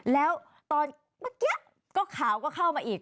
แล้วตอนเมื่อกี้ก็ข่าวก็เข้ามาอีก